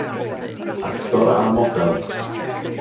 Actor a model.